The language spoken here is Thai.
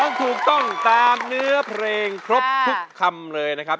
ถูกต้องตามเนื้อเพลงครบทุกคำเลยนะครับ